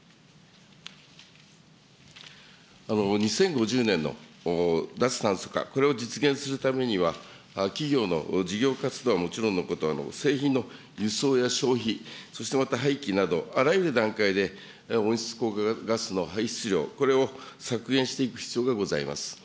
２０５０年の脱炭素化、これを実現するためには、企業の事業活動はもちろんのこと、製品の輸送や消費、そしてまた廃棄など、あらゆる段階で温室効果ガスの排出量、これを削減していく必要がございます。